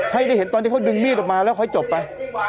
ให้ได้เห็นตอนที่เขาดึงมีดออกมาแล้วค่อยจบไป